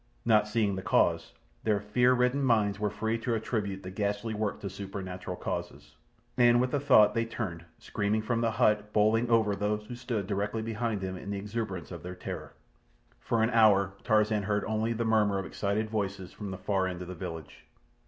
Not seeing the cause, their fear ridden minds were free to attribute the ghastly work to supernatural causes, and with the thought they turned, screaming, from the hut, bowling over those who stood directly behind them in the exuberance of their terror. For an hour Tarzan heard only the murmur of excited voices from the far end of the village.